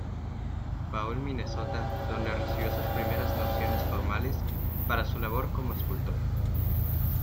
Paul, Minnesota, donde recibió sus primeras nociones formales para su labor como escultor.